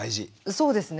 そうですね。